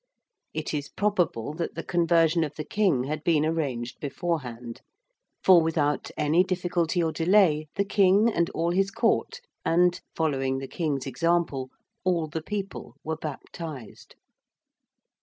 It is probable that the conversion of the King had been arranged beforehand; for without any difficulty or delay the King and all his Court, and, following the King's example, all the people were baptised.